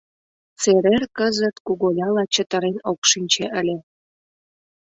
Церер кызыт куголяла чытырен ок шинче ыле.